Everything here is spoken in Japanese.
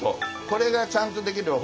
これがちゃんとできれば。